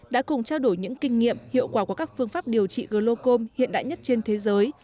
đã cùng trao đổi những kinh nghiệm hiệu quả của các phương pháp điều trị glocom hiện đại nhất trên thế giới